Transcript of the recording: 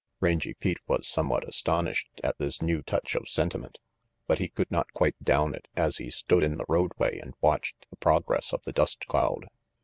Rangy Pete was somewhat astonished at this new touch of sentiment, but he could not quite down it as he stood in the roadway and watched the progress of the dust cloud.